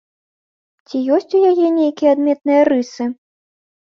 Ці ёсць у яе нейкія адметныя рысы?